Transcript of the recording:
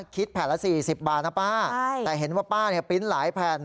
แผ่นละ๔๐บาทนะป้าแต่เห็นว่าป้าเนี่ยปริ้นต์หลายแผ่น